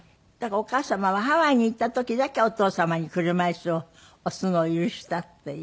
お母様はハワイに行った時だけお父様に車椅子を押すのを許したっていう。